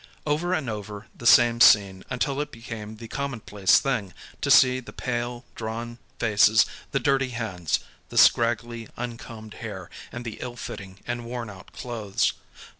Ovei' and over the same scene until it became the commonplace thing to see the pale, drawn faces, the dirty hands, the scraggly, uncombed hair and the ill fitting and worn out clothes.